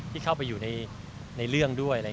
ที่เข้าไปอยู่ในเรื่องด้วย